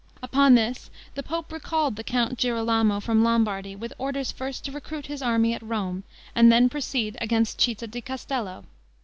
Upon this the pope recalled the Count Girolamo from Lombardy with orders first to recruit his army at Rome, and then proceed against Citta di Castello.